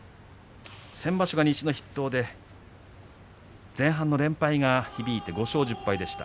先場所は西の筆頭で前半の連敗が響いて５勝１０敗でした。